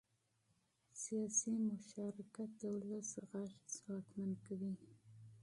سیاسي مشارکت د ولس غږ ځواکمن کوي